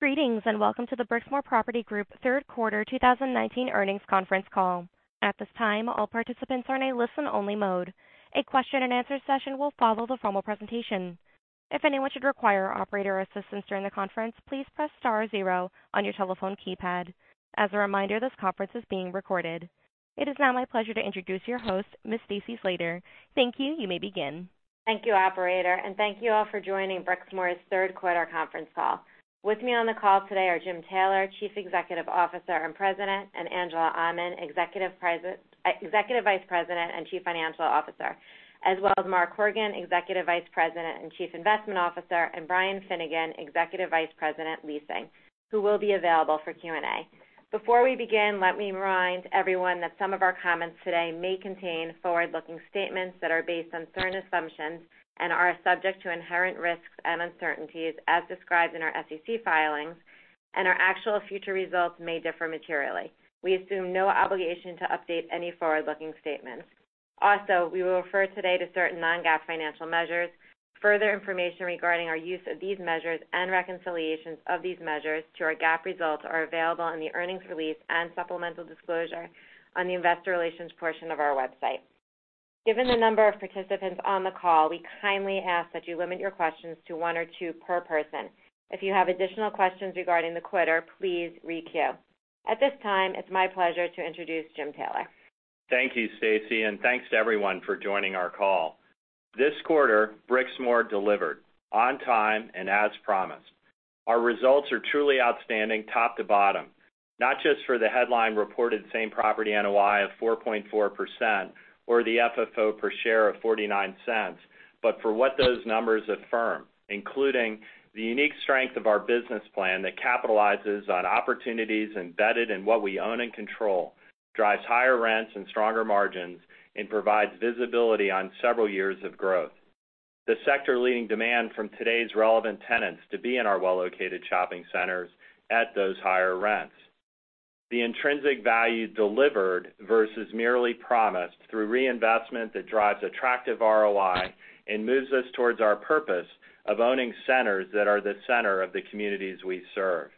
Greetings, welcome to the Brixmor Property Group third quarter 2019 earnings conference call. At this time, all participants are in a listen-only mode. A question and answer session will follow the formal presentation. If anyone should require operator assistance during the conference, please press star zero on your telephone keypad. As a reminder, this conference is being recorded. It is now my pleasure to introduce your host, Ms. Stacy Slater. Thank you. You may begin. Thank you, operator, and thank you all for joining Brixmor's third quarter conference call. With me on the call today are James Taylor, Chief Executive Officer and President, and Angela Aman, Executive Vice President and Chief Financial Officer, as well as Mark Horgan, Executive Vice President and Chief Investment Officer, and Brian Finnegan, Executive Vice President, Leasing, who will be available for Q&A. Before we begin, let me remind everyone that some of our comments today may contain forward-looking statements that are based on certain assumptions and are subject to inherent risks and uncertainties as described in our SEC filings and our actual future results may differ materially. We assume no obligation to update any forward-looking statements. Also, we will refer today to certain non-GAAP financial measures. Further information regarding our use of these measures and reconciliations of these measures to our GAAP results are available in the earnings release and supplemental disclosure on the investor relations portion of our website. Given the number of participants on the call, we kindly ask that you limit your questions to one or two per person. If you have additional questions regarding the quarter, please re-queue. At this time, it's my pleasure to introduce James Taylor. Thank you, Stacy, and thanks to everyone for joining our call. This quarter, Brixmor delivered on time and as promised. Our results are truly outstanding top to bottom, not just for the headline reported same property NOI of 4.4% or the FFO per share of $0.49, but for what those numbers affirm, including the unique strength of our business plan that capitalizes on opportunities embedded in what we own and control, drives higher rents and stronger margins, and provides visibility on several years of growth, the sector leading demand from today's relevant tenants to be in our well-located shopping centers at those higher rents, and the intrinsic value delivered versus merely promised through reinvestment that drives attractive ROI and moves us towards our purpose of owning centers that are the center of the communities we serve.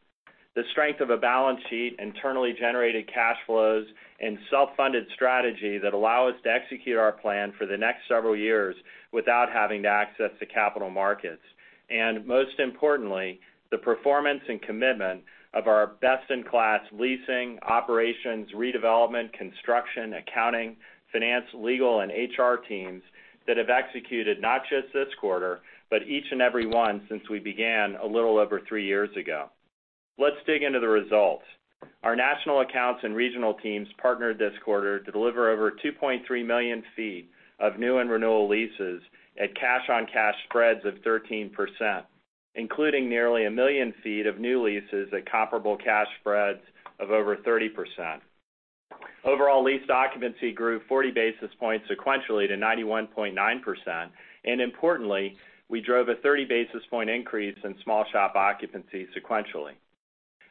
The strength of a balance sheet, internally generated cash flows, and self-funded strategy that allow us to execute our plan for the next several years without having to access the capital markets. Most importantly, the performance and commitment of our best-in-class leasing, operations, redevelopment, construction, accounting, finance, legal, and HR teams that have executed not just this quarter, but each and every one since we began a little over three years ago. Let's dig into the results. Our national accounts and regional teams partnered this quarter to deliver over 2.3 million feet of new and renewal leases at cash-on-cash spreads of 13%, including nearly a million feet of new leases at comparable cash spreads of over 30%. Overall lease occupancy grew 40 basis points sequentially to 91.9%. Importantly, we drove a 30 basis point increase in small shop occupancy sequentially.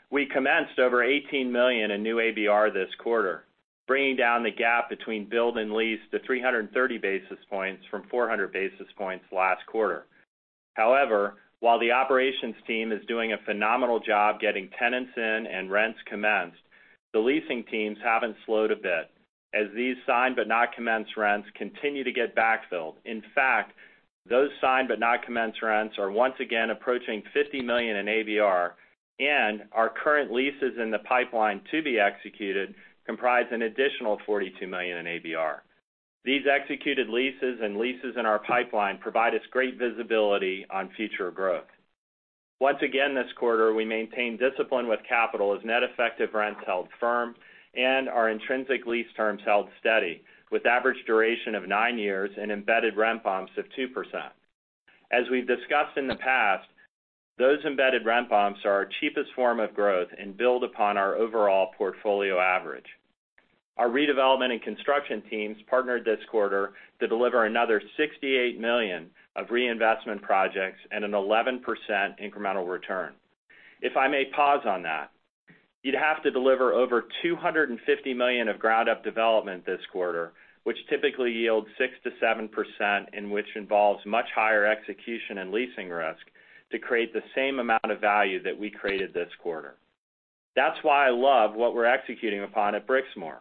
We commenced over $18 million in new ABR this quarter, bringing down the gap between build and lease to 330 basis points from 400 basis points last quarter. While the operations team is doing a phenomenal job getting tenants in and rents commenced, the leasing teams haven't slowed a bit as these signed but not commenced rents continue to get backfilled. In fact, those signed but not commenced rents are once again approaching $50 million in ABR, and our current leases in the pipeline to be executed comprise an additional $42 million in ABR. These executed leases and leases in our pipeline provide us great visibility on future growth. Once again this quarter, we maintained discipline with capital as net effective rents held firm and our intrinsic lease terms held steady with average duration of nine years and embedded rent bumps of 2%. As we've discussed in the past, those embedded rent bumps are our cheapest form of growth and build upon our overall portfolio average. Our redevelopment and construction teams partnered this quarter to deliver another $68 million of reinvestment projects and an 11% incremental return. If I may pause on that, you'd have to deliver over $250 million of ground-up development this quarter, which typically yields 6%-7%, and which involves much higher execution and leasing risk to create the same amount of value that we created this quarter. That's why I love what we're executing upon at Brixmor,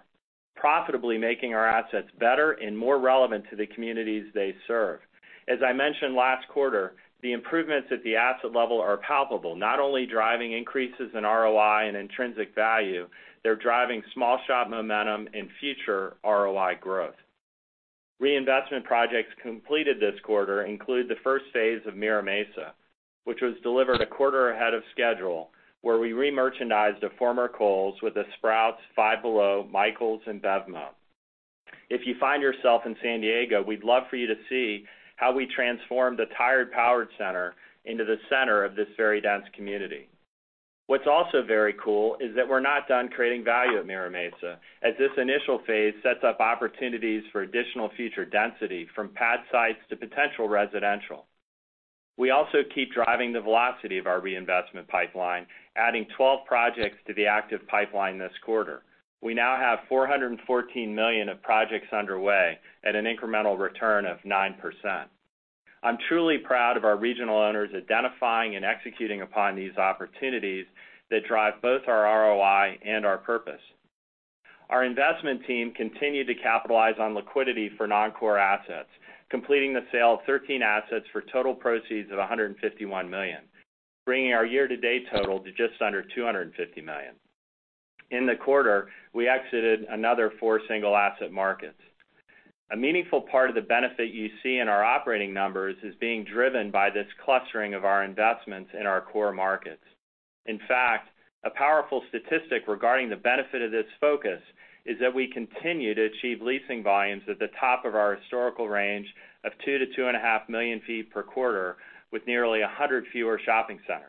profitably making our assets better and more relevant to the communities they serve. As I mentioned last quarter, the improvements at the asset level are palpable. Not only driving increases in ROI and intrinsic value, they're driving small shop momentum and future ROI growth. Reinvestment projects completed this quarter include the first phase of Mira Mesa, which was delivered a quarter ahead of schedule, where we re-merchandised a former Kohl's with a Sprouts, Five Below, Michaels, and BevMo!. If you find yourself in San Diego, we'd love for you to see how we transformed a tired powered center into the center of this very dense community. What's also very cool is that we're not done creating value at Mira Mesa, as this initial phase sets up opportunities for additional future density from pad sites to potential residential. We also keep driving the velocity of our reinvestment pipeline, adding 12 projects to the active pipeline this quarter. We now have $414 million of projects underway at an incremental return of 9%. I'm truly proud of our regional owners identifying and executing upon these opportunities that drive both our ROI and our purpose. Our investment team continued to capitalize on liquidity for non-core assets, completing the sale of 13 assets for total proceeds of $151 million, bringing our year-to-date total to just under $250 million. In the quarter, we exited another four single asset markets. A meaningful part of the benefit you see in our operating numbers is being driven by this clustering of our investments in our core markets. In fact, a powerful statistic regarding the benefit of this focus is that we continue to achieve leasing volumes at the top of our historical range of two to two and a half million sq ft per quarter with nearly 100 fewer shopping centers.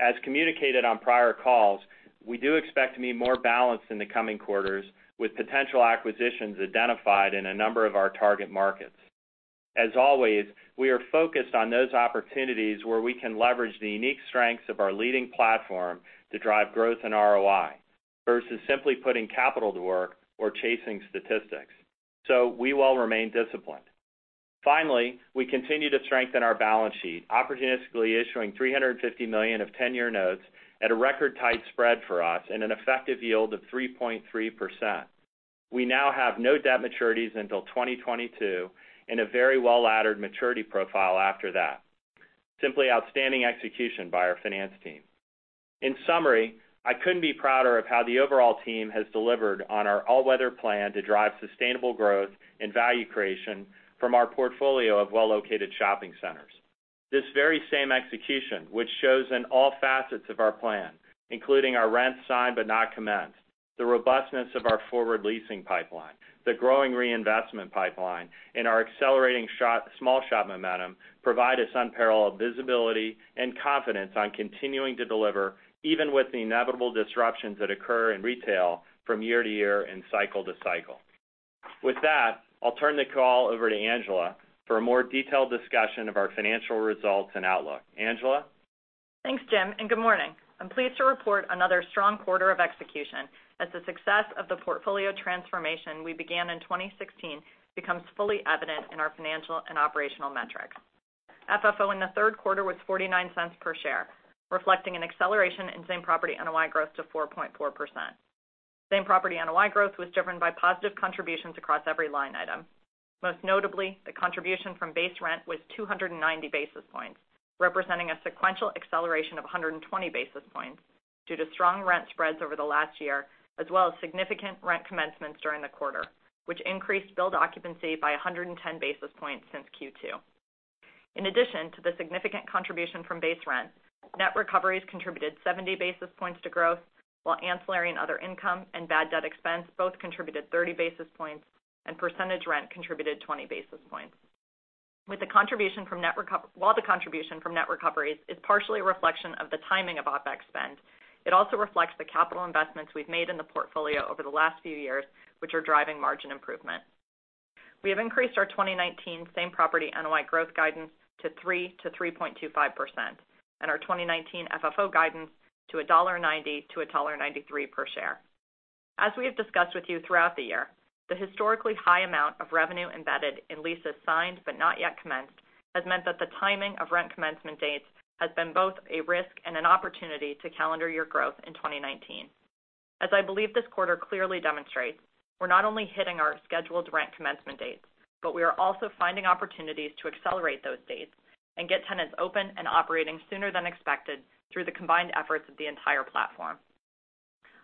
As communicated on prior calls, we do expect to be more balanced in the coming quarters with potential acquisitions identified in a number of our target markets. As always, we are focused on those opportunities where we can leverage the unique strengths of our leading platform to drive growth in ROI versus simply putting capital to work or chasing statistics. We will remain disciplined. Finally, we continue to strengthen our balance sheet, opportunistically issuing $350 million of 10-year notes at a record tight spread for us and an effective yield of 3.3%. We now have no debt maturities until 2022 and a very well-laddered maturity profile after that. Simply outstanding execution by our finance team. In summary, I couldn't be prouder of how the overall team has delivered on our all-weather plan to drive sustainable growth and value creation from our portfolio of well-located shopping centers. This very same execution, which shows in all facets of our plan, including our rents signed but not commenced, the robustness of our forward leasing pipeline, the growing reinvestment pipeline, and our accelerating small shop momentum, provide us unparalleled visibility and confidence on continuing to deliver even with the inevitable disruptions that occur in retail from year to year and cycle to cycle. With that, I'll turn the call over to Angela for a more detailed discussion of our financial results and outlook. Angela? Thanks, Jim, and good morning. I'm pleased to report another strong quarter of execution as the success of the portfolio transformation we began in 2016 becomes fully evident in our financial and operational metrics. FFO in the third quarter was $0.49 per share, reflecting an acceleration in same-property NOI growth to 4.4%. Same-property NOI growth was driven by positive contributions across every line item. Most notably, the contribution from base rent was 290 basis points, representing a sequential acceleration of 120 basis points due to strong rent spreads over the last year, as well as significant rent commencements during the quarter, which increased build occupancy by 110 basis points since Q2. In addition to the significant contribution from base rent, net recoveries contributed 70 basis points to growth while ancillary and other income and bad debt expense both contributed 30 basis points and percentage rent contributed 20 basis points. While the contribution from net recoveries is partially a reflection of the timing of OpEx spend, it also reflects the capital investments we've made in the portfolio over the last few years, which are driving margin improvement. We have increased our 2019 same-property NOI growth guidance to 3%-3.25%, and our 2019 FFO guidance to $1.90-$1.93 per share. As we have discussed with you throughout the year, the historically high amount of revenue embedded in leases signed but not yet commenced has meant that the timing of rent commencement dates has been both a risk and an opportunity to calendar year growth in 2019. As I believe this quarter clearly demonstrates, we're not only hitting our scheduled rent commencement dates, but we are also finding opportunities to accelerate those dates and get tenants open and operating sooner than expected through the combined efforts of the entire platform.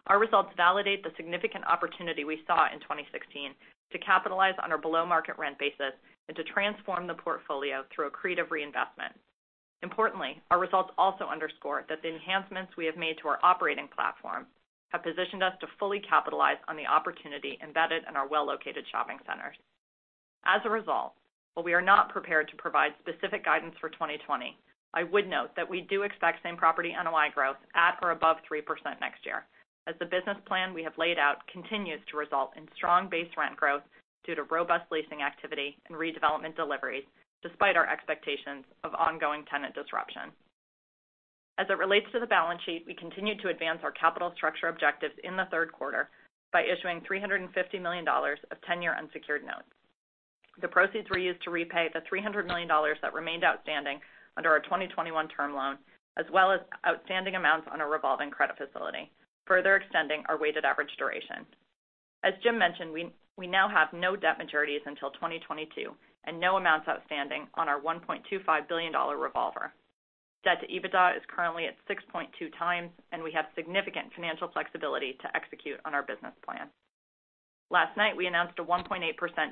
Our results validate the significant opportunity we saw in 2016 to capitalize on our below-market rent basis and to transform the portfolio through accretive reinvestment. Importantly, our results also underscore that the enhancements we have made to our operating platform have positioned us to fully capitalize on the opportunity embedded in our well-located shopping centers. As a result, while we are not prepared to provide specific guidance for 2020, I would note that we do expect same-property NOI growth at or above 3% next year as the business plan we have laid out continues to result in strong base rent growth due to robust leasing activity and redevelopment deliveries, despite our expectations of ongoing tenant disruption. As it relates to the balance sheet, we continued to advance our capital structure objectives in the third quarter by issuing $350 million of tenure unsecured notes. The proceeds were used to repay the $300 million that remained outstanding under our 2021 term loan, as well as outstanding amounts on a revolving credit facility, further extending our weighted average duration. As Jim mentioned, we now have no debt maturities until 2022 and no amounts outstanding on our $1.25 billion revolver. Debt to EBITDA is currently at 6.2 times, and we have significant financial flexibility to execute on our business plan. Last night, we announced a 1.8%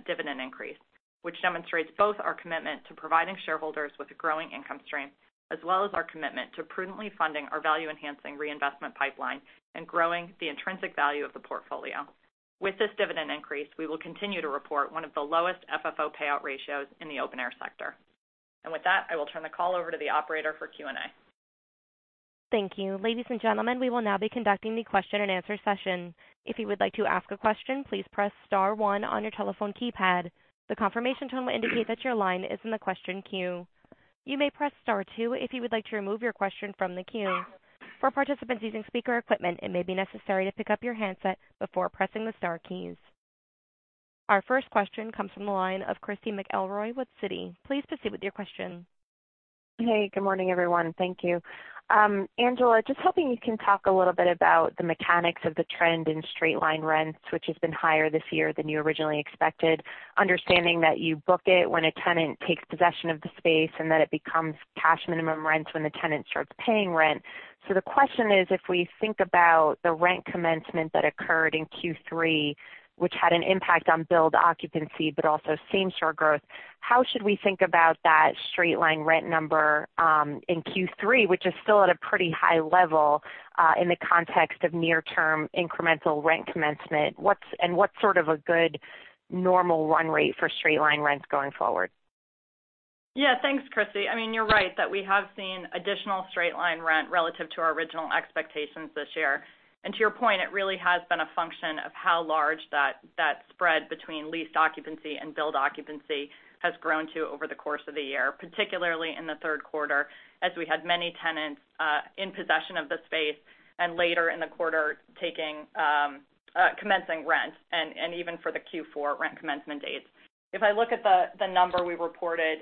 dividend increase, which demonstrates both our commitment to providing shareholders with a growing income stream, as well as our commitment to prudently funding our value-enhancing reinvestment pipeline and growing the intrinsic value of the portfolio. With this dividend increase, we will continue to report one of the lowest FFO payout ratios in the open air sector. With that, I will turn the call over to the operator for Q&A. Thank you. Ladies and gentlemen, we will now be conducting the question and answer session. If you would like to ask a question, please press *1 on your telephone keypad. The confirmation tone will indicate that your line is in the question queue. You may press *2 if you would like to remove your question from the queue. For participants using speaker equipment, it may be necessary to pick up your handset before pressing the star keys. Our first question comes from the line of Christy McElroy with Citi. Please proceed with your question. Hey, good morning, everyone. Thank you. Angela, just hoping you can talk a little bit about the mechanics of the trend in straight-line rents, which has been higher this year than you originally expected. Understanding that you book it when a tenant takes possession of the space, and that it becomes cash minimum rents when the tenant starts paying rent. The question is: if we think about the rent commencement that occurred in Q3, which had an impact on build occupancy, but also same-store growth, how should we think about that straight-line rent number, in Q3, which is still at a pretty high level, in the context of near-term incremental rent commencement? What's sort of a good normal run rate for straight-line rents going forward? Thanks, Christy. You're right, that we have seen additional straight-line rent relative to our original expectations this year. To your point, it really has been a function of how large that spread between leased occupancy and build occupancy has grown to over the course of the year, particularly in the third quarter, as we had many tenants in possession of the space and later in the quarter commencing rent, and even for the Q4 rent commencement dates. If I look at the number we reported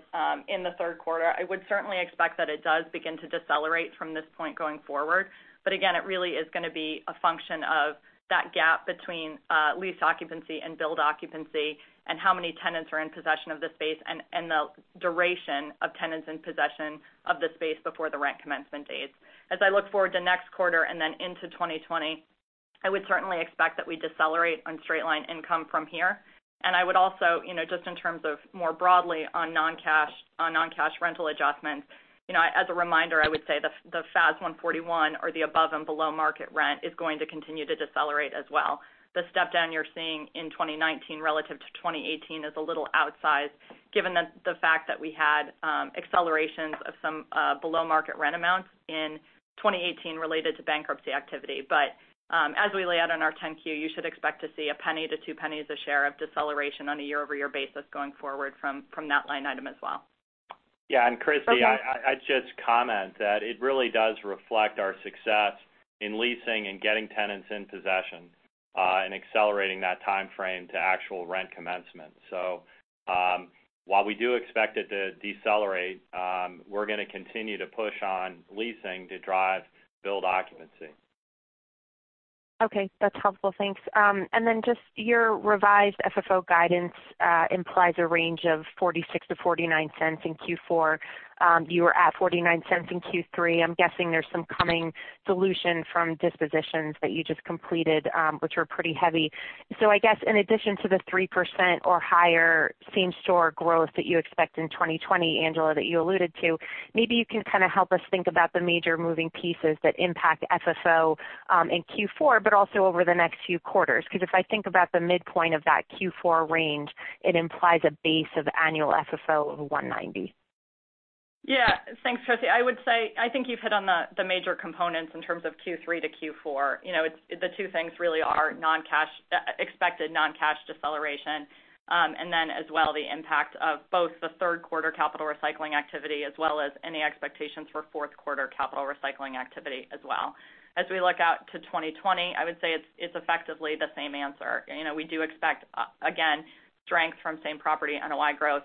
in the third quarter, I would certainly expect that it does begin to decelerate from this point going forward. Again, it really is gonna be a function of that gap between leased occupancy and build occupancy and how many tenants are in possession of the space and the duration of tenants in possession of the space before the rent commencement dates. As I look forward to next quarter and then into 2020, I would certainly expect that we decelerate on straight-line income from here. I would also, just in terms of more broadly on non-cash rental adjustments, as a reminder, I would say the FAS 141 or the above and below market rent, is going to continue to decelerate as well. The step-down you're seeing in 2019 relative to 2018 is a little outsized given the fact that we had accelerations of some below-market rent amounts in 2018 related to bankruptcy activity. As we lay out in our 10-Q, you should expect to see a $0.01 to $0.02 a share of deceleration on a year-over-year basis going forward from that line item as well. Yeah. Christy, I'd just comment that it really does reflect our success in leasing and getting tenants in possession, and accelerating that timeframe to actual rent commencement. While we do expect it to decelerate, we're gonna continue to push on leasing to drive build occupancy. Okay. That's helpful. Thanks. Then just your revised FFO guidance implies a range of $0.46 to $0.49 in Q4. You were at $0.49 in Q3. I'm guessing there's some coming solution from dispositions that you just completed, which were pretty heavy. I guess in addition to the 3% or higher same-store growth that you expect in 2020, Angela, that you alluded to, maybe you can kind of help us think about the major moving pieces that impact FFO, in Q4, but also over the next few quarters. If I think about the midpoint of that Q4 range, it implies a base of annual FFO of $1.90. Yeah. Thanks, Christy. I would say, I think you've hit on the major components in terms of Q3 to Q4. The two things really are expected non-cash deceleration, and then as well, the impact of both the third quarter capital recycling activity as well as any expectations for fourth quarter capital recycling activity as well. As we look out to 2020, I would say it's effectively the same answer. We do expect, again, strength from same-property NOI growth.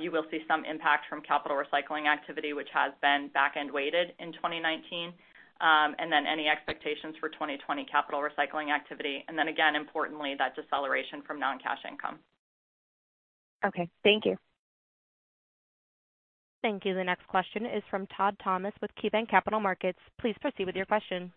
You will see some impact from capital recycling activity, which has been back-end weighted in 2019, and then any expectations for 2020 capital recycling activity, and then again, importantly, that deceleration from non-cash income. Okay. Thank you. Thank you. The next question is from Todd Thomas with KeyBanc Capital Markets. Please proceed with your question.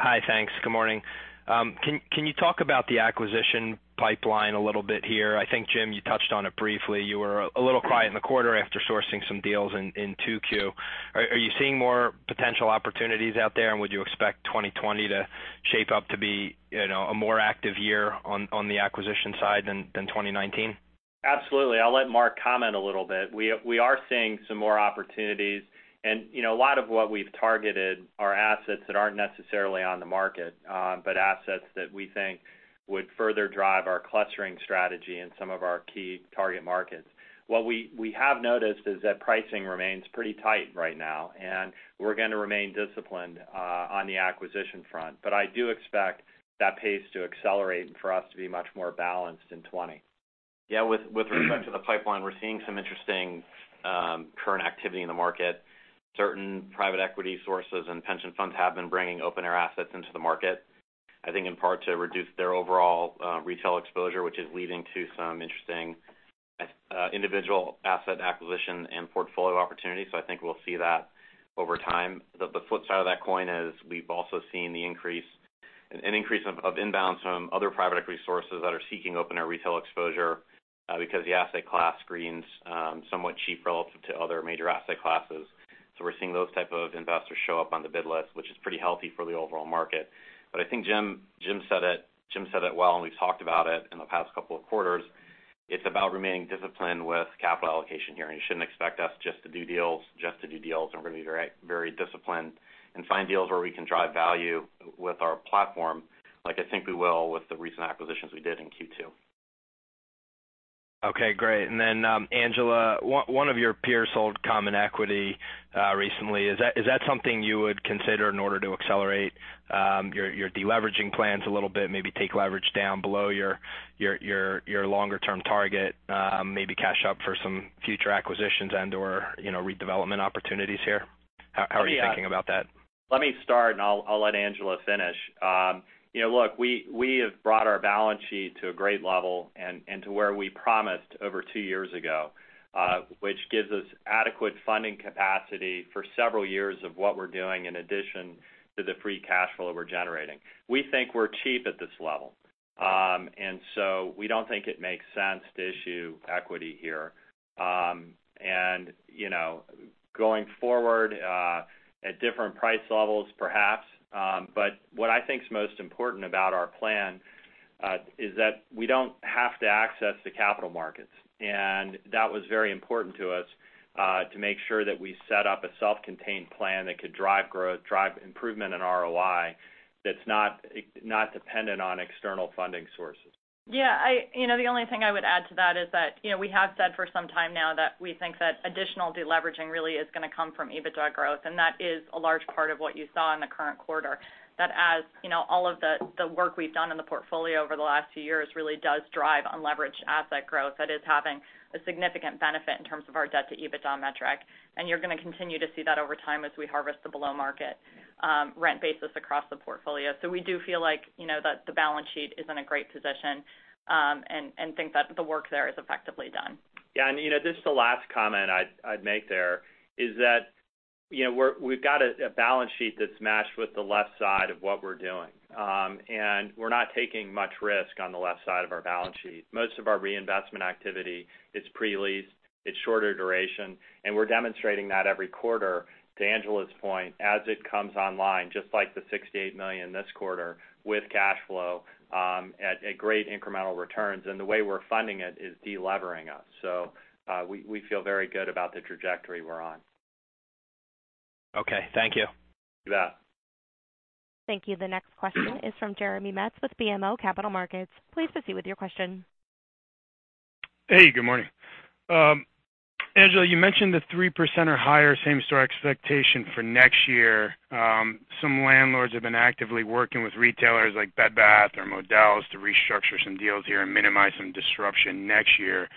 Hi. Thanks. Good morning. Can you talk about the acquisition pipeline a little bit here? I think, Jim, you touched on it briefly. You were a little quiet in the quarter after sourcing some deals in 2Q. Are you seeing more potential opportunities out there, and would you expect 2020 to shape up to be a more active year on the acquisition side than 2019? Absolutely. I'll let Mark comment a little bit. We are seeing some more opportunities, and a lot of what we've targeted are assets that aren't necessarily on the market, but assets that we think would further drive our clustering strategy in some of our key target markets. What we have noticed is that pricing remains pretty tight right now, and we're gonna remain disciplined on the acquisition front. I do expect that pace to accelerate and for us to be much more balanced in 2020. With respect to the pipeline, we're seeing some interesting current activity in the market. Certain private equity sources and pension funds have been bringing open-air assets into the market, I think in part to reduce their overall retail exposure, which is leading to some interesting individual asset acquisition and portfolio opportunities. I think we'll see that over time. The flip side of that coin is we've also seen an increase of inbounds from other private equity sources that are seeking open-air retail exposure, because the asset class screens somewhat cheap relative to other major asset classes. We're seeing those type of investors show up on the bid list, which is pretty healthy for the overall market. I think Jim said it well, and we've talked about it in the past couple of quarters. It's about remaining disciplined with capital allocation here, and you shouldn't expect us just to do deals, just to do deals, and we're going to be very disciplined and find deals where we can drive value with our platform, like I think we will with the recent acquisitions we did in Q2. Okay, great. Angela, one of your peers sold common equity recently. Is that something you would consider in order to accelerate your de-leveraging plans a little bit, maybe take leverage down below your longer-term target, maybe cash up for some future acquisitions and/or redevelopment opportunities here? How are you thinking about that? Let me start, and I'll let Angela finish. Look, we have brought our balance sheet to a great level and to where we promised over two years ago, which gives us adequate funding capacity for several years of what we're doing in addition to the free cash flow that we're generating. We think we're cheap at this level. We don't think it makes sense to issue equity here. Going forward, at different price levels, perhaps. What I think is most important about our plan, is that we don't have to access the capital markets. That was very important to us, to make sure that we set up a self-contained plan that could drive growth, drive improvement in ROI, that's not dependent on external funding sources. Yeah. The only thing I would add to that is that, we have said for some time now that we think that additional de-leveraging really is going to come from EBITDA growth. That is a large part of what you saw in the current quarter. That as all of the work we've done in the portfolio over the last few years really does drive unleveraged asset growth, that is having a significant benefit in terms of our debt to EBITDA metric. You're going to continue to see that over time as we harvest the below-market rent basis across the portfolio. We do feel like the balance sheet is in a great position, and think that the work there is effectively done. Just the last comment I'd make there is that we've got a balance sheet that's matched with the left side of what we're doing. We're not taking much risk on the left side of our balance sheet. Most of our reinvestment activity, it's pre-leased, it's shorter duration, and we're demonstrating that every quarter, to Angela's point, as it comes online, just like the $68 million this quarter with cash flow at great incremental returns. We feel very good about the trajectory we're on. Okay. Thank you. You bet. Thank you. The next question is from Jeremy Metz with BMO Capital Markets. Please proceed with your question. Hey, good morning. Angela, you mentioned the 3% or higher same-store expectation for next year. Some landlords have been actively working with retailers like Bed Bath or Modell's to restructure some deals here and minimize some disruption next year.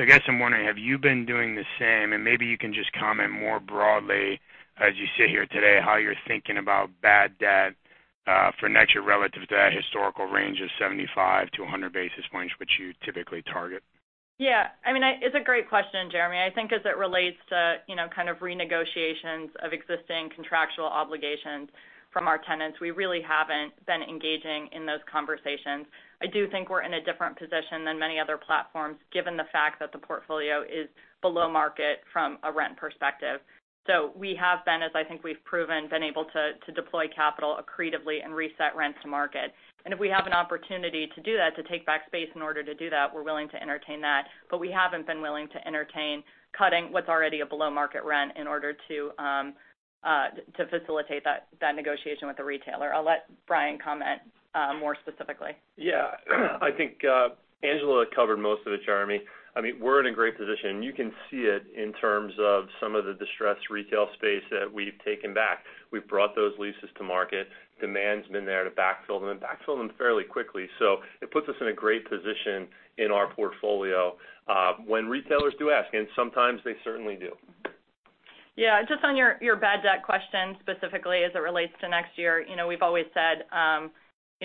I guess I'm wondering, have you been doing the same? Maybe you can just comment more broadly as you sit here today, how you're thinking about bad debt for next year relative to that historical range of 75-100 basis points, which you typically target. Yeah. It's a great question, Jeremy. I think as it relates to kind of renegotiations of existing contractual obligations from our tenants, we really haven't been engaging in those conversations. I do think we're in a different position than many other platforms, given the fact that the portfolio is below market from a rent perspective. We have been, as I think we've proven, been able to deploy capital accretively and reset rents to market. If we have an opportunity to do that, to take back space in order to do that, we're willing to entertain that. We haven't been willing to entertain cutting what's already a below-market rent in order to facilitate that negotiation with the retailer. I'll let Brian comment more specifically. Yeah. I think Angela covered most of it, Jeremy. We're in a great position, and you can see it in terms of some of the distressed retail space that we've taken back. We've brought those leases to market. Demand's been there to backfill them and backfill them fairly quickly. It puts us in a great position in our portfolio when retailers do ask, and sometimes they certainly do. Yeah. Just on your bad debt question, specifically as it relates to next year. We've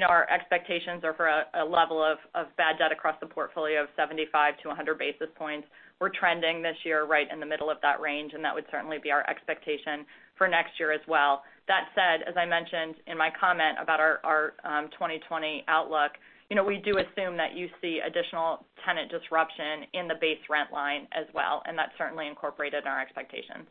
always said our expectations are for a level of bad debt across the portfolio of 75-100 basis points. We're trending this year right in the middle of that range. That would certainly be our expectation for next year as well. That said, as I mentioned in my comment about our 2020 outlook, we do assume that you see additional tenant disruption in the base rent line as well. That's certainly incorporated in our expectations.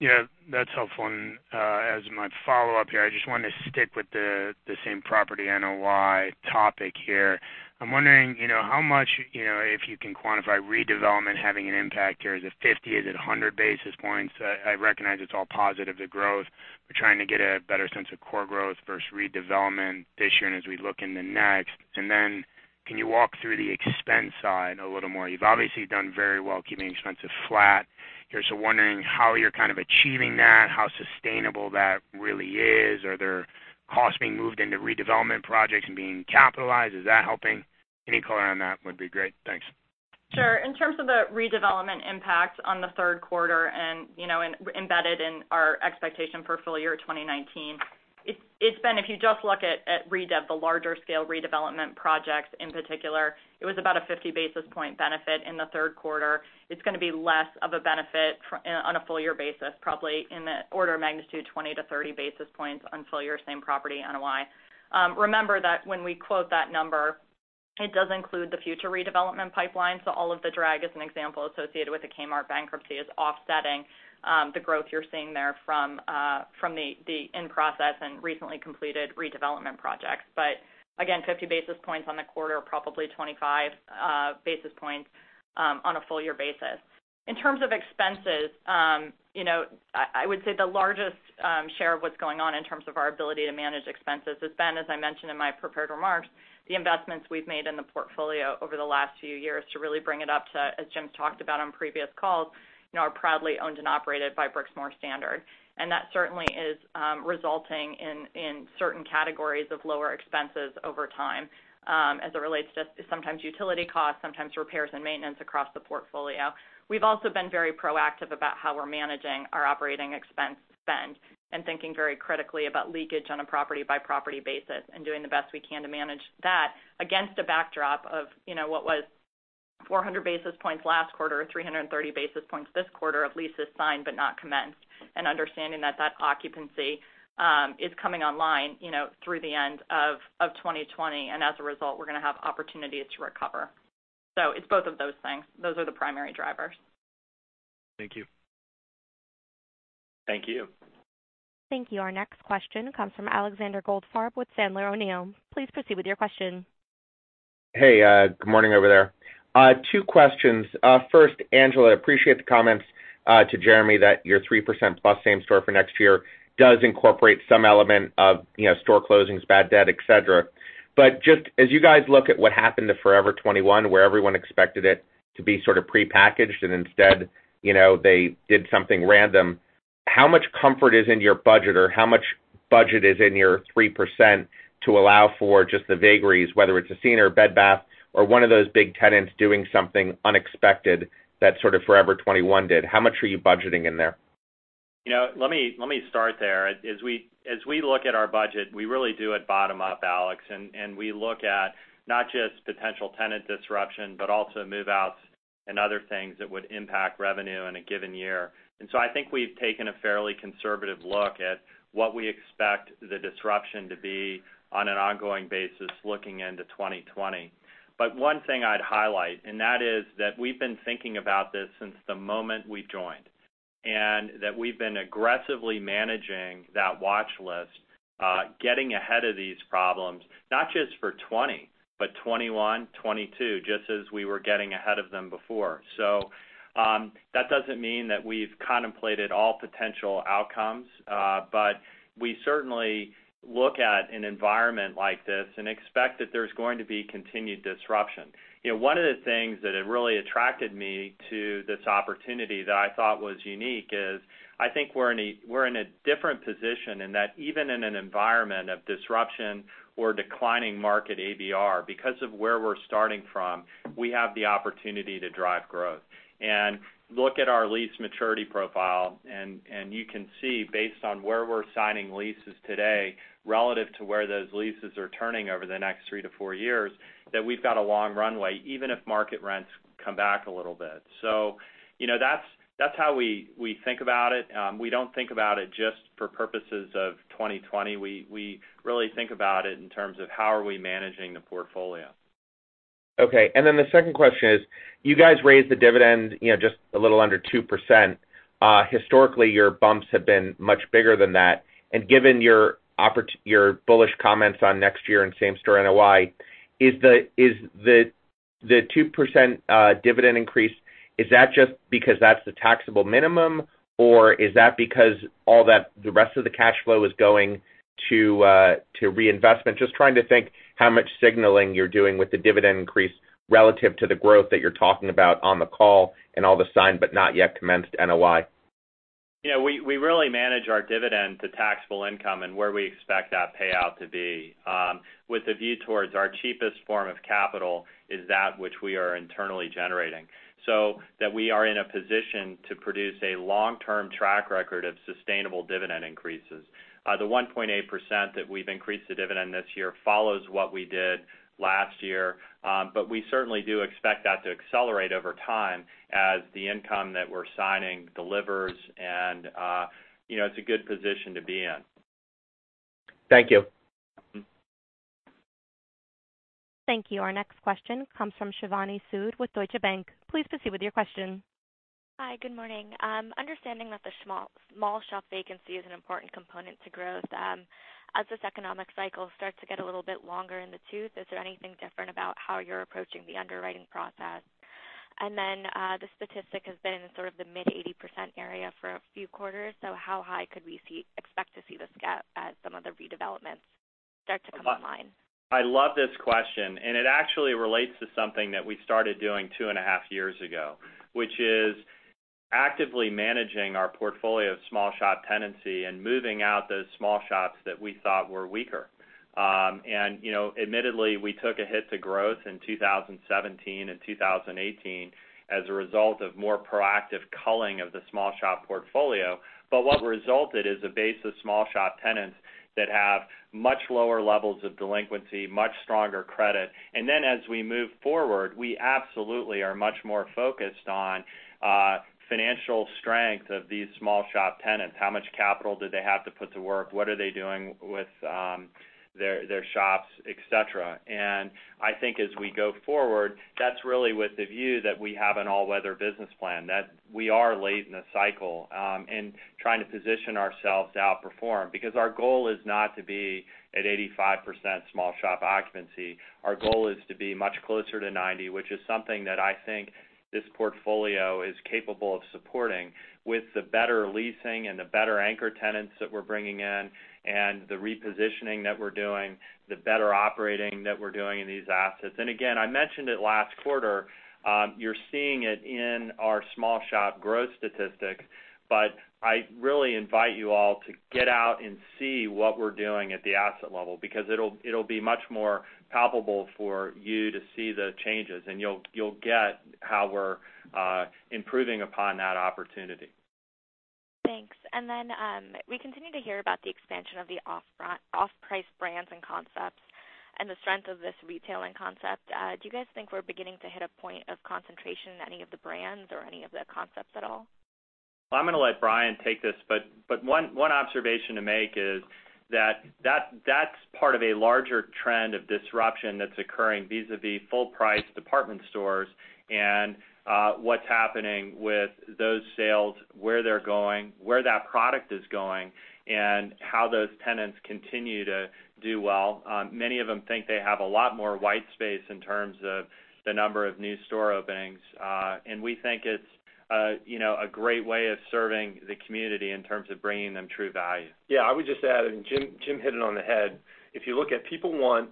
Yeah. That's helpful. As my follow-up here, I just wanted to stick with the same property NOI topic here. I'm wondering how much, if you can quantify redevelopment having an impact here. Is it 50? Is it 100 basis points? I recognize it's all positive, the growth. We're trying to get a better sense of core growth versus redevelopment this year and as we look in the next. Can you walk through the expense side a little more? You've obviously done very well keeping expenses flat here, so wondering how you're kind of achieving that, how sustainable that really is. Are there costs being moved into redevelopment projects and being capitalized? Is that helping? Any color on that would be great. Thanks. Sure. In terms of the redevelopment impact on the third quarter and embedded in our expectation for full year 2019. It's been, if you just look at redev, the larger scale redevelopment projects in particular, it was about a 50-basis-point benefit in the third quarter. It's going to be less of a benefit on a full-year basis, probably in the order of magnitude, 20 to 30 basis points on full-year same property NOI. Remember that when we quote that number. It does include the future redevelopment pipeline. All of the drag, as an example, associated with the Kmart bankruptcy is offsetting the growth you're seeing there from the in-process and recently completed redevelopment projects. Again, 50 basis points on the quarter, probably 25 basis points on a full-year basis. In terms of expenses, I would say the largest share of what's going on in terms of our ability to manage expenses has been, as I mentioned in my prepared remarks, the investments we've made in the portfolio over the last few years to really bring it up to, as Jim's talked about on previous calls, are proudly owned and operated by Brixmor standard. That certainly is resulting in certain categories of lower expenses over time, as it relates to sometimes utility costs, sometimes repairs and maintenance across the portfolio. We've also been very proactive about how we're managing our operating expense spend and thinking very critically about leakage on a property-by-property basis and doing the best we can to manage that against a backdrop of what was 400 basis points last quarter or 330 basis points this quarter of leases signed but not commenced, and understanding that that occupancy is coming online through the end of 2020. As a result, we're going to have opportunities to recover. It's both of those things. Those are the primary drivers. Thank you. Thank you. Thank you. Our next question comes from Alexander Goldfarb with Sandler O'Neill. Please proceed with your question. Hey, good morning over there. Two questions. First, Angela, appreciate the comments to Jeremy that your 3% plus same store for next year does incorporate some element of store closings, bad debt, et cetera. Just as you guys look at what happened to Forever 21, where everyone expected it to be sort of prepackaged and instead they did something random, how much comfort is in your budget, or how much budget is in your 3% to allow for just the vagaries, whether it's a [Sears and Bed Bath] or one of those big tenants doing something unexpected that sort of Forever 21 did? How much are you budgeting in there? Let me start there. As we look at our budget, we really do it bottom up, Alex, and we look at not just potential tenant disruption, but also move-outs and other things that would impact revenue in a given year. I think we've taken a fairly conservative look at what we expect the disruption to be on an ongoing basis looking into 2020. One thing I'd highlight, and that is that we've been thinking about this since the moment we joined, and that we've been aggressively managing that watch list, getting ahead of these problems, not just for 2020, but 2021, 2022, just as we were getting ahead of them before. That doesn't mean that we've contemplated all potential outcomes. We certainly look at an environment like this and expect that there's going to be continued disruption. One of the things that had really attracted me to this opportunity that I thought was unique is I think we're in a different position in that even in an environment of disruption or declining market AVR, because of where we're starting from, we have the opportunity to drive growth. Look at our lease maturity profile, and you can see, based on where we're signing leases today relative to where those leases are turning over the next three to four years, that we've got a long runway, even if market rents come back a little bit. That's how we think about it. We don't think about it just for purposes of 2020. We really think about it in terms of how are we managing the portfolio. Okay. The second question is, you guys raised the dividend just a little under 2%. Historically, your bumps have been much bigger than that. Given your bullish comments on next year and same-store NOI, is the 2% dividend increase, is that just because that's the taxable minimum, or is that because all the rest of the cash flow is going to reinvestment? Just trying to think how much signaling you're doing with the dividend increase relative to the growth that you're talking about on the call and all the signed, but not yet commenced NOI. We really manage our dividend to taxable income and where we expect that payout to be with the view towards our cheapest form of capital is that which we are internally generating. That we are in a position to produce a long-term track record of sustainable dividend increases. The 1.8% that we've increased the dividend this year follows what we did last year. We certainly do expect that to accelerate over time as the income that we're signing delivers, and it's a good position to be in. Thank you. Thank you. Our next question comes from Shivani Sood with Deutsche Bank. Please proceed with your question. Hi, good morning. Understanding that the small shop vacancy is an important component to growth, as this economic cycle starts to get a little bit longer in the tooth, is there anything different about how you're approaching the underwriting process? The statistic has been in sort of the mid-80% area for a few quarters. How high could we expect to see this gap as some of the redevelopments start to come online? I love this question. It actually relates to something that we started doing two and a half years ago, which is actively managing our portfolio of small shop tenancy and moving out those small shops that we thought were weaker. Admittedly, we took a hit to growth in 2017 and 2018 as a result of more proactive culling of the small shop portfolio. What resulted is a base of small shop tenants that have much lower levels of delinquency, much stronger credit. Then as we move forward, we absolutely are much more focused on financial strength of these small shop tenants. How much capital do they have to put to work? What are they doing with their shops, et cetera. I think as we go forward, that's really with the view that we have an all-weather business plan, that we are late in the cycle and trying to position ourselves to outperform. Our goal is not to be at 85% small shop occupancy. Our goal is to be much closer to 90, which is something that I think this portfolio is capable of supporting with the better leasing and the better anchor tenants that we're bringing in, and the repositioning that we're doing, the better operating that we're doing in these assets. Again, I mentioned it last quarter, you're seeing it in our small shop growth statistics, but I really invite you all to get out and see what we're doing at the asset level, because it'll be much more palpable for you to see the changes, and you'll get how we're improving upon that opportunity. Thanks. We continue to hear about the expansion of the off-price brands and concepts and the strength of this retailing concept. Do you guys think we're beginning to hit a point of concentration in any of the brands or any of the concepts at all? I'm going to let Brian take this, but one observation to make is that that's part of a larger trend of disruption that's occurring vis-a-vis full price department stores and what's happening with those sales, where they're going, where that product is going, and how those tenants continue to do well. Many of them think they have a lot more white space in terms of the number of new store openings. We think it's a great way of serving the community in terms of bringing them true value. Yeah, I would just add, Jim hit it on the head. If you look at people one,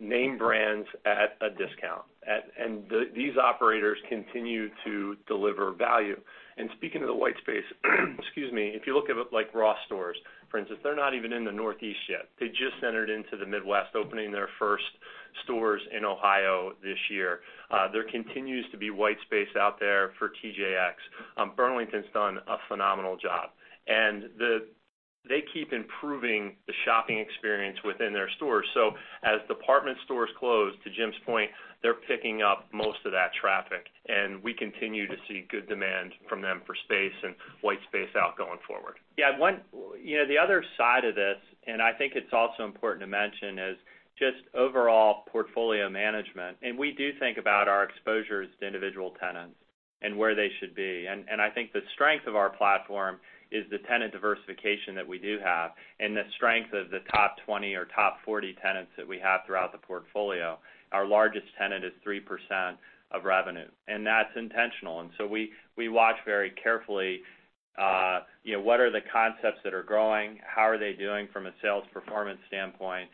name brands at a discount. These operators continue to deliver value. Speaking of the white space, excuse me, if you look at it like Ross Stores, for instance, they're not even in the Northeast yet. They just entered into the Midwest, opening their first stores in Ohio this year. There continues to be white space out there for TJX. Burlington's done a phenomenal job. They keep improving the shopping experience within their stores. As department stores close, to Jim's point, they're picking up most of that traffic. We continue to see good demand from them for space and white space out going forward. Yeah. The other side of this, I think it's also important to mention, is just overall portfolio management. We do think about our exposures to individual tenants and where they should be. I think the strength of our platform is the tenant diversification that we do have and the strength of the top 20 or top 40 tenants that we have throughout the portfolio. Our largest tenant is 3% of revenue, that's intentional. We watch very carefully, what are the concepts that are growing, how are they doing from a sales performance standpoint,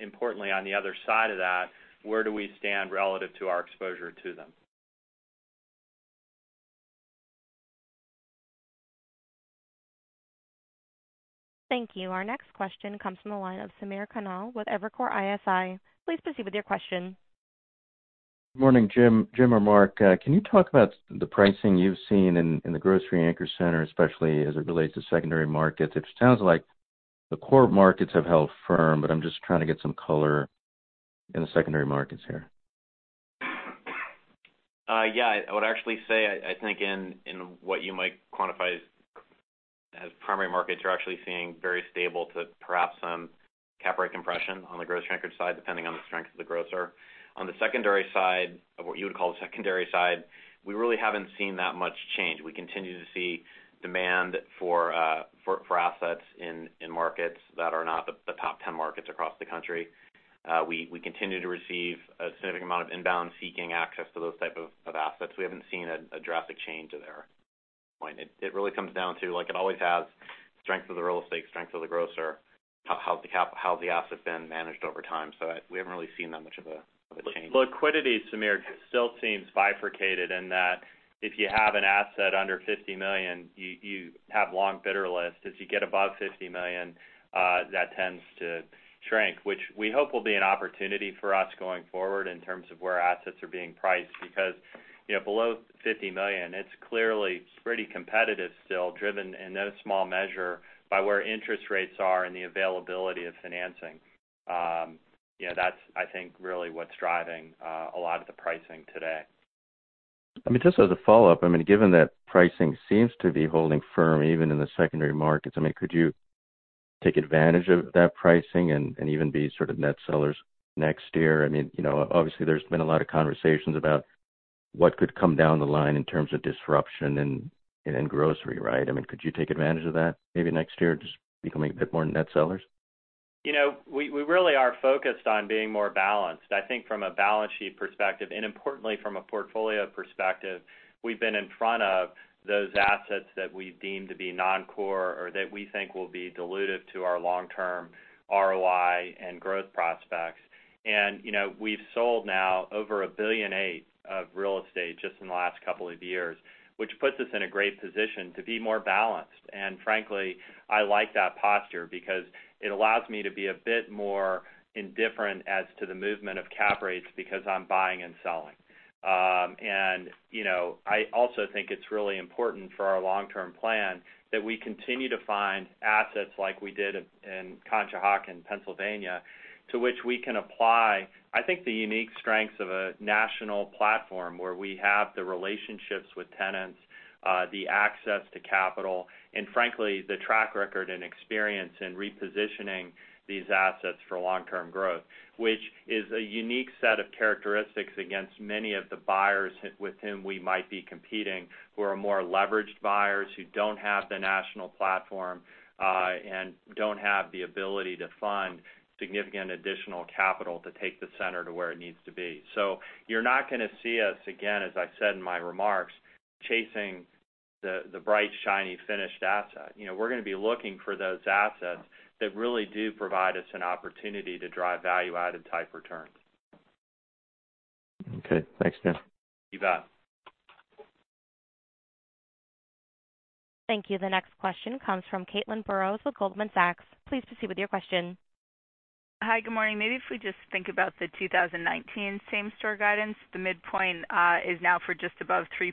importantly, on the other side of that, where do we stand relative to our exposure to them? Thank you. Our next question comes from the line of Samir Khanal with Evercore ISI. Please proceed with your question. Good morning, Jim or Mark. Can you talk about the pricing you've seen in the grocery anchor center, especially as it relates to secondary markets? It sounds like the core markets have held firm, I'm just trying to get some color in the secondary markets here. I would actually say, I think in what you might quantify as primary markets, you're actually seeing very stable to perhaps some cap rate compression on the grocery anchored side, depending on the strength of the grocer. On the secondary side, of what you would call the secondary side, we really haven't seen that much change. We continue to see demand for assets in markets that are not the top 10 markets across the country. We continue to receive a significant amount of inbound seeking access to those type of assets. We haven't seen a drastic change there. It really comes down to, like it always has, strength of the real estate, strength of the grocer, how has the asset been managed over time. We haven't really seen that much of a change. Liquidity, Samir, still seems bifurcated in that if you have an asset under $50 million, you have long bidder lists. As you get above $50 million, that tends to shrink, which we hope will be an opportunity for us going forward in terms of where assets are being priced. Below $50 million, it's clearly pretty competitive still driven in no small measure by where interest rates are and the availability of financing. That's, I think, really what's driving a lot of the pricing today. Just as a follow-up, given that pricing seems to be holding firm even in the secondary markets, could you take advantage of that pricing and even be sort of net sellers next year? There's been a lot of conversations about what could come down the line in terms of disruption and in grocery, right? Could you take advantage of that maybe next year, just becoming a bit more net sellers? We really are focused on being more balanced. I think from a balance sheet perspective, importantly from a portfolio perspective, we've been in front of those assets that we deem to be non-core or that we think will be dilutive to our long-term ROI and growth prospects. We've sold now over $1.8 billion of real estate just in the last couple of years, which puts us in a great position to be more balanced. Frankly, I like that posture because it allows me to be a bit more indifferent as to the movement of cap rates because I'm buying and selling. I also think it's really important for our long-term plan that we continue to find assets like we did in Conshohocken, Pennsylvania, to which we can apply, I think, the unique strengths of a national platform, where we have the relationships with tenants, the access to capital, and frankly, the track record and experience in repositioning these assets for long-term growth. Which is a unique set of characteristics against many of the buyers with whom we might be competing, who are more leveraged buyers, who don't have the national platform, and don't have the ability to fund significant additional capital to take the center to where it needs to be. You're not going to see us, again, as I said in my remarks, chasing the bright, shiny finished asset. We're going to be looking for those assets that really do provide us an opportunity to drive value-added type returns. Okay, thanks, Jim. You bet. Thank you. The next question comes from Caitlin Burrows with Goldman Sachs. Please proceed with your question. Hi, good morning. Maybe if we just think about the 2019 same-store guidance, the midpoint is now for just above 3%,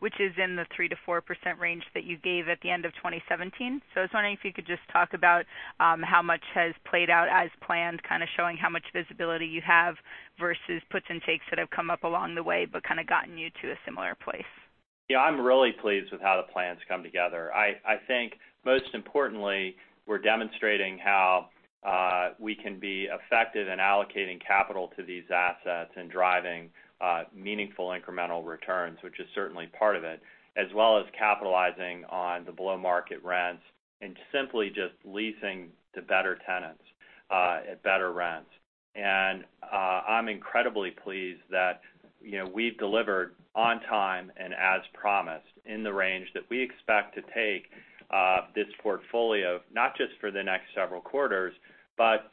which is in the 3%-4% range that you gave at the end of 2017. I was wondering if you could just talk about how much has played out as planned, kind of showing how much visibility you have versus puts and takes that have come up along the way but kind of gotten you to a similar place. Yeah, I'm really pleased with how the plan's come together. I think most importantly, we're demonstrating how we can be effective in allocating capital to these assets and driving meaningful incremental returns, which is certainly part of it, as well as capitalizing on the below-market rents and simply just leasing to better tenants at better rents. I'm incredibly pleased that we've delivered on time and as promised in the range that we expect to take this portfolio, not just for the next several quarters, but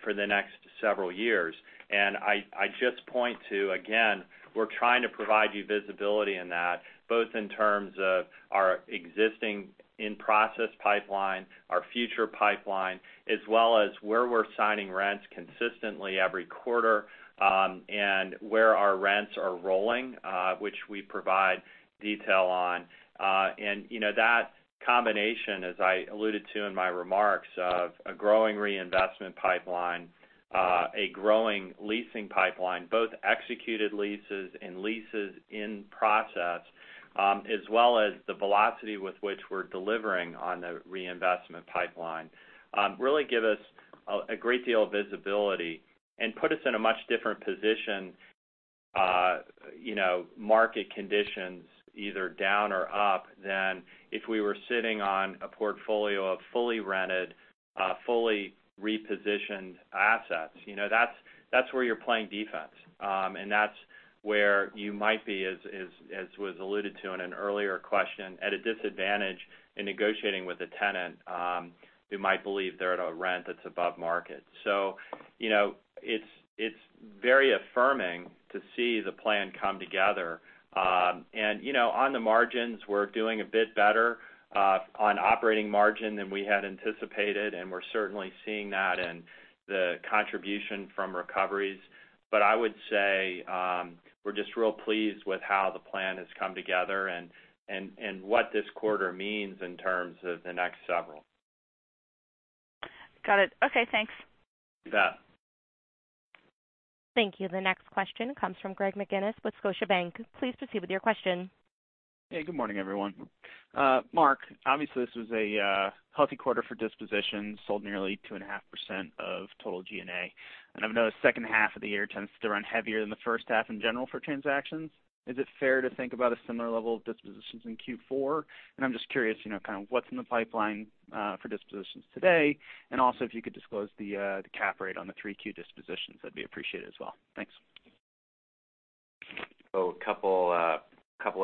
for the next several years. I just point to, again, we're trying to provide you visibility in that, both in terms of our existing in-process pipeline, our future pipeline, as well as where we're signing rents consistently every quarter, and where our rents are rolling, which we provide detail on. That combination, as I alluded to in my remarks, of a growing reinvestment pipeline, a growing leasing pipeline, both executed leases and leases in process, as well as the velocity with which we're delivering on the reinvestment pipeline, really give us a great deal of visibility and put us in a much different position, market conditions either down or up, than if we were sitting on a portfolio of fully rented, fully repositioned assets. That's where you're playing defense. That's where you might be, as was alluded to in an earlier question, at a disadvantage in negotiating with a tenant who might believe they're at a rent that's above market. It's very affirming to see the plan come together. On the margins, we're doing a bit better on operating margin than we had anticipated, and we're certainly seeing that in the contribution from recoveries. I would say, we're just real pleased with how the plan has come together and what this quarter means in terms of the next several. Got it. Okay, thanks. You bet. Thank you. The next question comes from Greg McGinniss with Scotiabank. Please proceed with your question. Hey, good morning, everyone. Mark, obviously this was a healthy quarter for dispositions, sold nearly 2.5% of total GLA. I've noticed the second half of the year tends to run heavier than the first half in general for transactions. Is it fair to think about a similar level of dispositions in Q4? I'm just curious, kind of what's in the pipeline for dispositions today? Also, if you could disclose the cap rate on the 3Q dispositions, that'd be appreciated as well. Thanks. A couple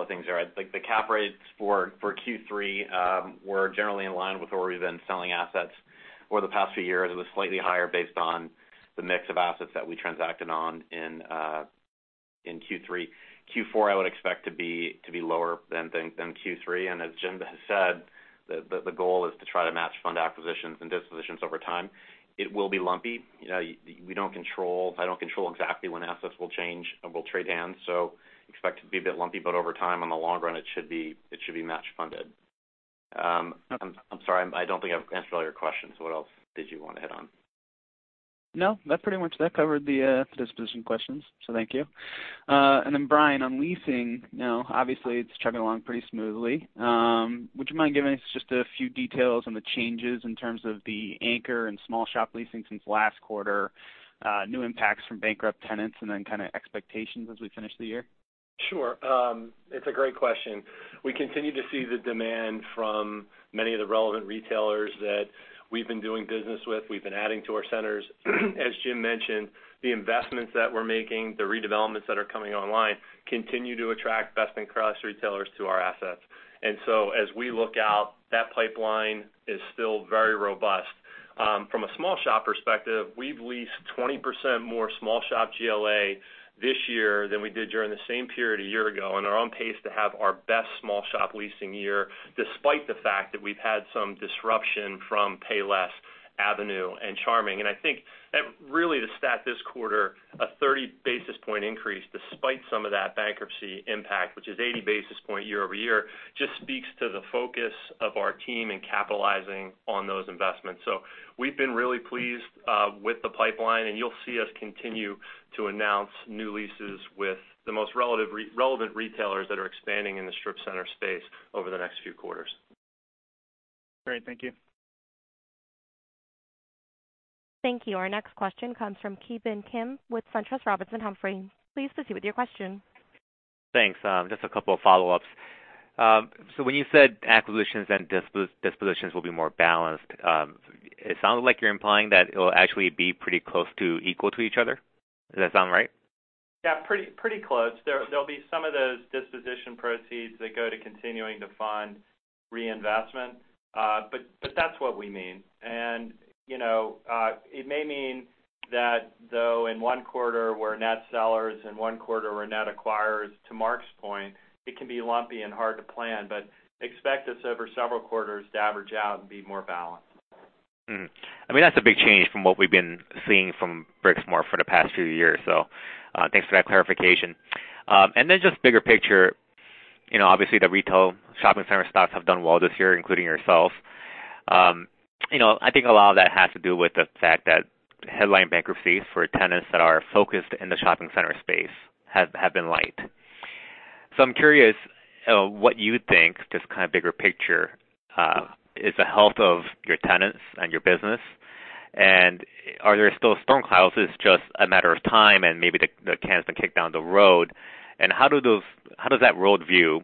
of things there. I think the cap rates for Q3 were generally in line with where we've been selling assets over the past few years. It was slightly higher based on the mix of assets that we transacted on in Q3. Q4 I would expect to be lower than Q3. As Jim has said, the goal is to try to match fund acquisitions and dispositions over time. It will be lumpy. I don't control exactly when assets will change and will trade hands. Expect it to be a bit lumpy, over time, in the long run, it should be match funded. I'm sorry, I don't think I've answered all your questions. What else did you want to hit on? No. That covered the disposition questions. Thank you. Brian, on leasing, now, obviously it's chugging along pretty smoothly. Would you mind giving us just a few details on the changes in terms of the anchor and small shop leasing since last quarter, new impacts from bankrupt tenants, and then kind of expectations as we finish the year? Sure. It's a great question. We continue to see the demand from many of the relevant retailers that we've been doing business with, we've been adding to our centers. As Jim mentioned, the investments that we're making, the redevelopments that are coming online, continue to attract best-in-class retailers to our assets. As we look out, that pipeline is still very robust. From a small shop perspective, we've leased 20% more small shop GLA this year than we did during the same period a year ago, and are on pace to have our best small shop leasing year, despite the fact that we've had some disruption from Payless, Avenue, and Charming. I think that really the stat this quarter, a 30 basis point increase, despite some of that bankruptcy impact, which is 80 basis point year-over-year, just speaks to the focus of our team in capitalizing on those investments. We've been really pleased with the pipeline, and you'll see us continue to announce new leases with the most relevant retailers that are expanding in the strip center space over the next few quarters. Great. Thank you. Thank you. Our next question comes from Ki Bin Kim with SunTrust Robinson Humphrey. Please proceed with your question. Thanks. Just a couple of follow-ups. When you said acquisitions and dispositions will be more balanced, it sounds like you're implying that it will actually be pretty close to equal to each other. Does that sound right? Yeah, pretty close. There'll be some of those disposition proceeds that go to continuing to fund reinvestment. That's what we mean. It may mean that though in one quarter we're net sellers, in one quarter we're net acquirers. To Mark's point, it can be lumpy and hard to plan, but expect us over several quarters to average out and be more balanced. That's a big change from what we've been seeing from Brixmor for the past few years. Thanks for that clarification. Just bigger picture, obviously the retail shopping center stocks have done well this year, including yourself. I think a lot of that has to do with the fact that headline bankruptcies for tenants that are focused in the shopping center space have been light. I'm curious what you think, just kind of bigger picture, is the health of your tenants and your business, and are there still storm clouds? It's just a matter of time and maybe the can's been kicked down the road. How does that worldview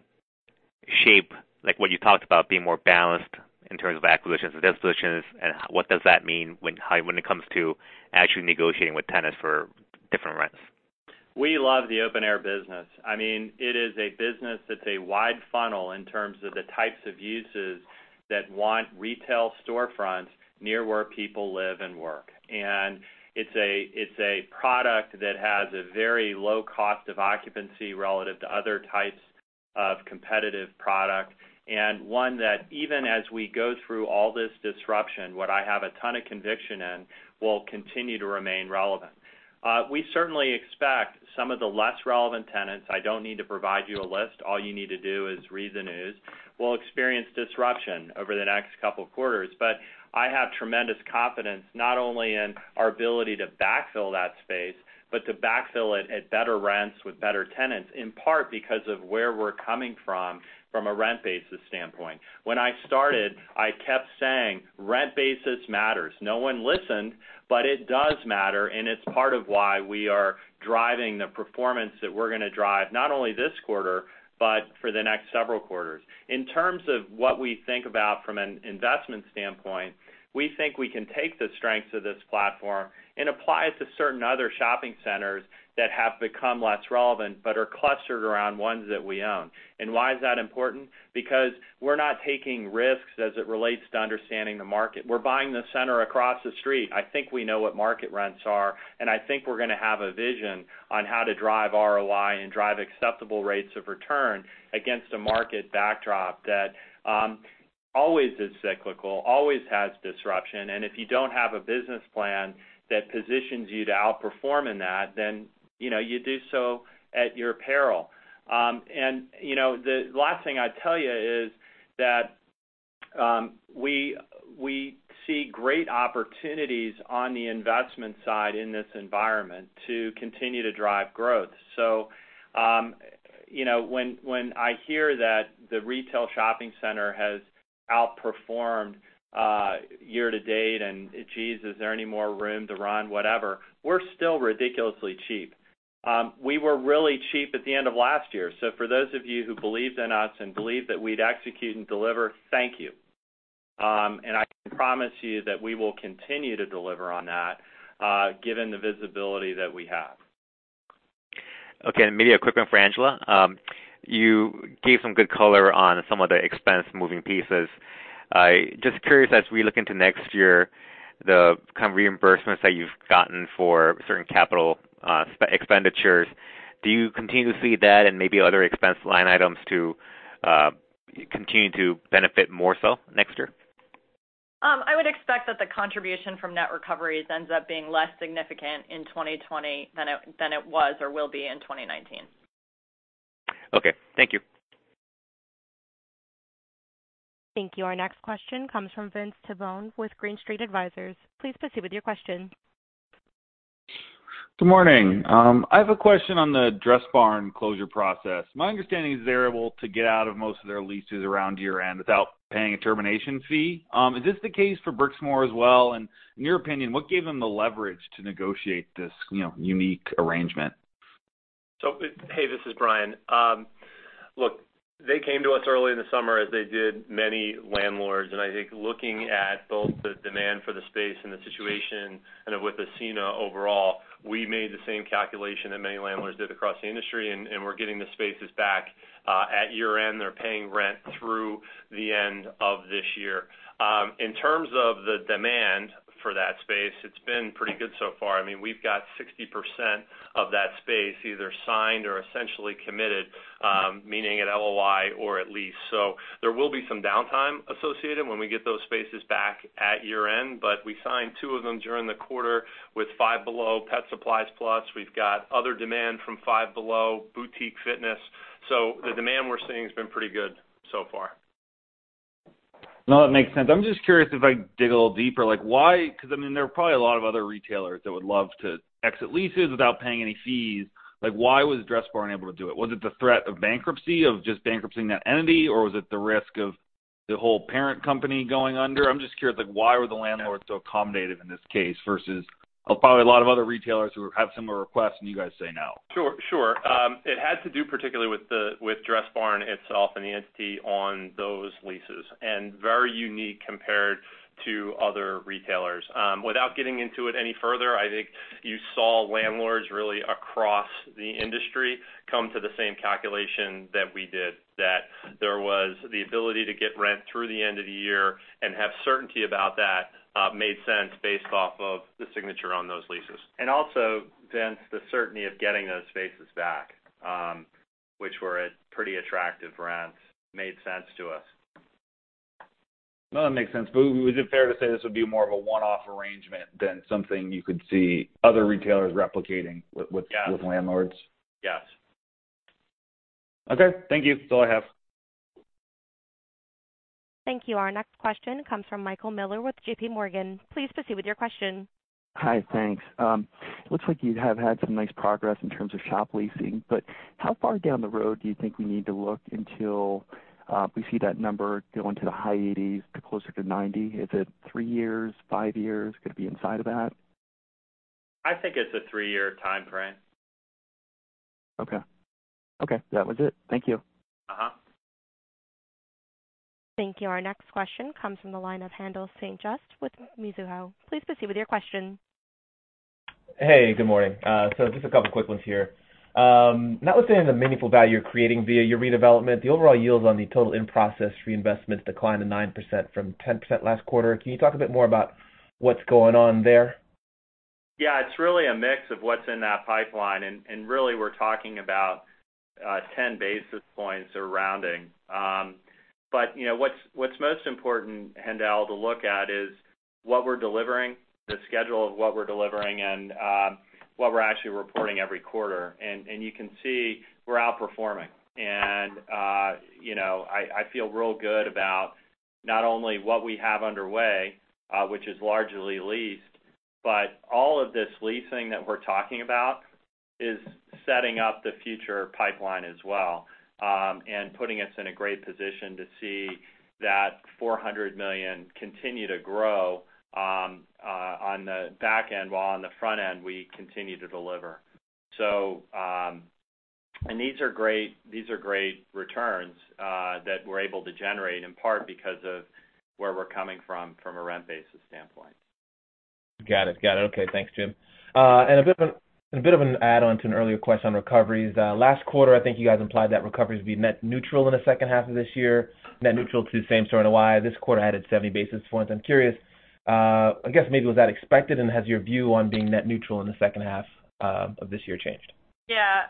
shape, like what you talked about being more balanced in terms of acquisitions and dispositions, and what does that mean when it comes to actually negotiating with tenants for different rents? We love the open air business. It is a business that's a wide funnel in terms of the types of uses that want retail storefronts near where people live and work. It's a product that has a very low cost of occupancy relative to other types of competitive product, and one that even as we go through all this disruption, what I have a ton of conviction in, will continue to remain relevant. We certainly expect some of the less relevant tenants, I don't need to provide you a list, all you need to do is read the news, will experience disruption over the next couple of quarters. I have tremendous confidence not only in our ability to backfill that space, but to backfill it at better rents with better tenants, in part because of where we're coming from a rent basis standpoint. When I started, I kept saying, rent basis matters. No one listened, it does matter, and it's part of why we are driving the performance that we're going to drive, not only this quarter, but for the next several quarters. In terms of what we think about from an investment standpoint, we think we can take the strengths of this platform and apply it to certain other shopping centers that have become less relevant but are clustered around ones that we own. Why is that important? Because we're not taking risks as it relates to understanding the market. We're buying the center across the street. I think we know what market rents are. I think we're going to have a vision on how to drive ROI and drive acceptable rates of return against a market backdrop that always is cyclical, always has disruption. If you don't have a business plan that positions you to outperform in that, you do so at your peril. The last thing I'd tell you is that we see great opportunities on the investment side in this environment to continue to drive growth. When I hear that the retail shopping center has outperformed year-to-date, geez, is there any more room to run, whatever, we're still ridiculously cheap. We were really cheap at the end of last year. For those of you who believed in us and believed that we'd execute and deliver, thank you. I can promise you that we will continue to deliver on that, given the visibility that we have. Okay. Maybe a quick one for Angela. You gave some good color on some of the expense moving pieces. Just curious, as we look into next year, the kind of reimbursements that you've gotten for certain capital expenditures, do you continue to see that and maybe other expense line items to continue to benefit more so next year? I would expect that the contribution from net recoveries ends up being less significant in 2020 than it was or will be in 2019. Okay, thank you. Thank you. Our next question comes from Vince Tibone with Green Street Advisors. Please proceed with your question. Good morning. I have a question on the Dressbarn closure process. My understanding is they're able to get out of most of their leases around year-end without paying a termination fee. Is this the case for Brixmor as well? In your opinion, what gave them the leverage to negotiate this unique arrangement? Hey, this is Brian. Look, they came to us early in the summer, as they did many landlords. I think looking at both the demand for the space and the situation, kind of with Ascena overall, we made the same calculation that many landlords did across the industry, and we're getting the spaces back at year-end. They're paying rent through the end of this year. In terms of the demand for that space, it's been pretty good so far. We've got 60% of that space either signed or essentially committed, meaning at LOI or at lease. There will be some downtime associated when we get those spaces back at year-end. We signed two of them during the quarter with Five Below, Pet Supplies Plus. We've got other demand from Five Below, Boutique Fitness. The demand we're seeing has been pretty good so far. That makes sense. I'm just curious if I dig a little deeper, like why, because there are probably a lot of other retailers that would love to exit leases without paying any fees. Why was Dressbarn able to do it? Was it the threat of bankruptcy, of just bankrupting that entity? Was it the risk of the whole parent company going under? I'm just curious, why were the landlords so accommodative in this case versus probably a lot of other retailers who have similar requests and you guys say no. Sure. It had to do particularly with Dressbarn itself and the entity on those leases, and very unique compared to other retailers. Without getting into it any further, I think you saw landlords really across the industry come to the same calculation that we did, that there was the ability to get rent through the end of the year and have certainty about that made sense based off of the signature on those leases. Also, Vince, the certainty of getting those spaces back, which were at pretty attractive rents, made sense to us. No, that makes sense. Was it fair to say this would be more of a one-off arrangement than something you could see other retailers replicating with? Yes landlords? Yes. Okay. Thank you. That's all I have. Thank you. Our next question comes from Michael Mueller with J.P. Morgan. Please proceed with your question. Hi, thanks. It looks like you have had some nice progress in terms of shop leasing, how far down the road do you think we need to look until we see that number go into the high 80s to closer to 90? Is it three years, five years? Could it be inside of that? I think it's a three-year timeframe. Okay. That was it. Thank you. Thank you. Our next question comes from the line of Haendel St. Juste with Mizuho. Please proceed with your question. Hey, good morning. Just a couple quick ones here. Notwithstanding the meaningful value you're creating via your redevelopment, the overall yields on the total in-process reinvestments declined to 9% from 10% last quarter. Can you talk a bit more about what's going on there? Yeah, it's really a mix of what's in that pipeline, really, we're talking about 10 basis points of rounding. What's most important, Haendel, to look at is what we're delivering, the schedule of what we're delivering, and what we're actually reporting every quarter. You can see we're outperforming. I feel real good about not only what we have underway, which is largely leased, but all of this leasing that we're talking about is setting up the future pipeline as well, and putting us in a great position to see that $400 million continue to grow on the back end, while on the front end, we continue to deliver. These are great returns that we're able to generate, in part because of where we're coming from a rent basis standpoint. Got it. Okay. Thanks, Jim. A bit of an add-on to an earlier question on recoveries. Last quarter, I think you guys implied that recoveries would be net neutral in the second half of this year. Net neutral to same store NOI this quarter added 70 basis points. I'm curious, I guess maybe was that expected, and has your view on being net neutral in the second half of this year changed? Yeah.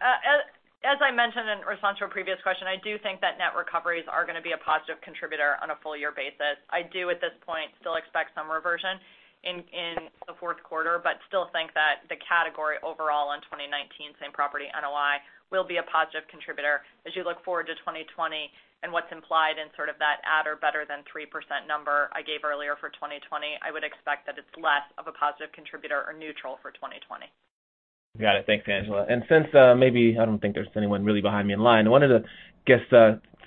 As I mentioned in response to a previous question, I do think that net recoveries are going to be a positive contributor on a full year basis. I do, at this point, still expect some reversion in the fourth quarter, but still think that the category overall in 2019, same property NOI, will be a positive contributor. As you look forward to 2020 and what's implied in sort of that at or better than 3% number I gave earlier for 2020, I would expect that it's less of a positive contributor or neutral for 2020. Got it. Thanks, Angela. Since, maybe, I don't think there's anyone really behind me in line, I wanted to just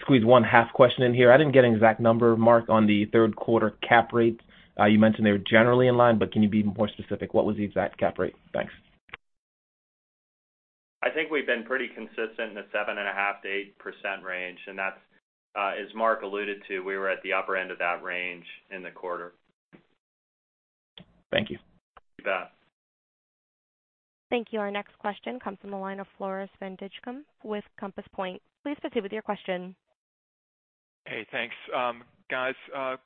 squeeze one half question in here. I didn't get an exact number, Mark, on the third quarter cap rates. You mentioned they were generally in line, can you be more specific? What was the exact cap rate? Thanks. I think we've been pretty consistent in the 7.5%-8% range, and as Mark alluded to, we were at the upper end of that range in the quarter. Thank you. You bet. Thank you. Our next question comes from the line of Floris van Dijkum with Compass Point. Please proceed with your question. Hey, thanks. Guys, a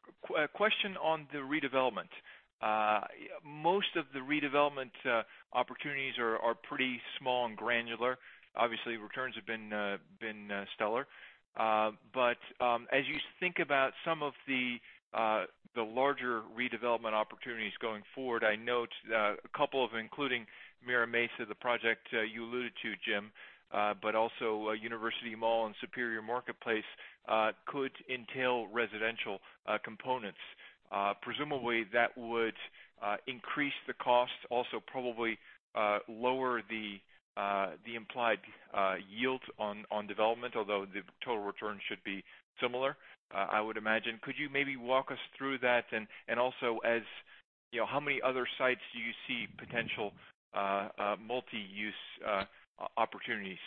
question on the redevelopment. Most of the redevelopment opportunities are pretty small and granular. Obviously, returns have been stellar. As you think about some of the larger redevelopment opportunities going forward, I note a couple of including Mira Mesa, the project you alluded to, Jim, but also University Mall and Superior Marketplace could entail residential components. Presumably, that would increase the cost, also probably lower the implied yield on development, although the total return should be similar, I would imagine. Could you maybe walk us through that? Also, how many other sites do you see potential multi-use opportunities?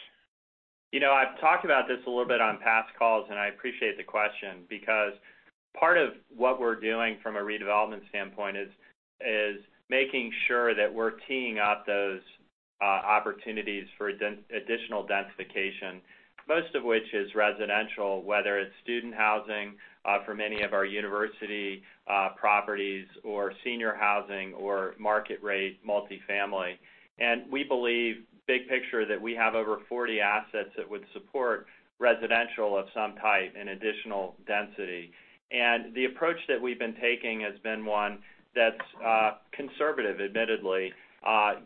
I've talked about this a little bit on past calls. I appreciate the question, because part of what we're doing from a redevelopment standpoint is making sure that we're teeing up those opportunities for additional densification, most of which is residential, whether it's student housing for many of our university properties, or senior housing, or market-rate multifamily. We believe, big picture, that we have over 40 assets that would support residential of some type and additional density. The approach that we've been taking has been one that's conservative, admittedly,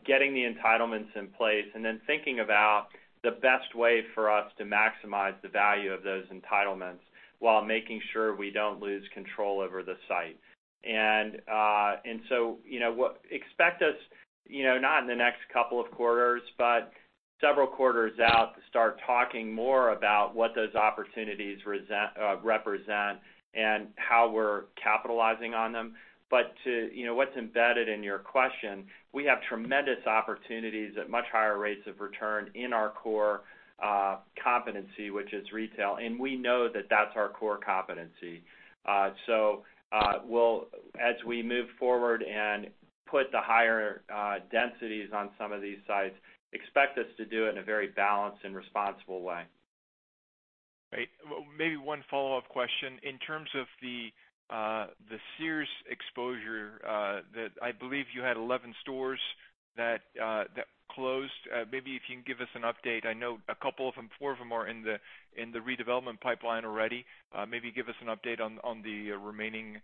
getting the entitlements in place and then thinking about the best way for us to maximize the value of those entitlements while making sure we don't lose control over the site. Expect us, not in the next couple of quarters, but several quarters out, to start talking more about what those opportunities represent and how we're capitalizing on them. To what's embedded in your question, we have tremendous opportunities at much higher rates of return in our core competency, which is retail. We know that that's our core competency. As we move forward and put the higher densities on some of these sites, expect us to do it in a very balanced and responsible way. Great. Maybe one follow-up question. In terms of the Sears exposure, that I believe you had 11 stores that closed. Maybe if you can give us an update. I know a couple of them, four of them, are in the redevelopment pipeline already. Maybe give us an update on the remaining